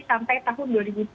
sampai tahun dua ribu dua puluh